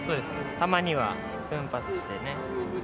たまには奮発してね。